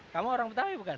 kamu orang betawi bukan